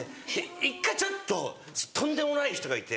一回ちょっととんでもない人がいて。